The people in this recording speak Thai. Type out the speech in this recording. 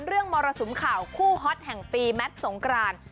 มรสุมข่าวคู่ฮอตแห่งปีแมทสงกราน